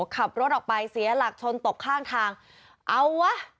ขับรถออกไปเสียหลักชนตกข้างทางเอาวะ